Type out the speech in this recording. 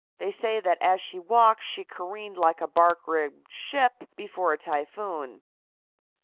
They say that as she walked she careened like a bark rigged ship before a typhoon.